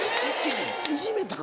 いじめたん？